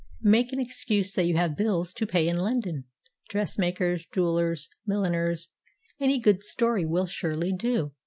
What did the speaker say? Make an excuse that you have bills to pay in London dressmakers, jewellers, milliners any good story will surely do.